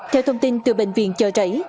theo thông tin từ bệnh viện chợ rẫy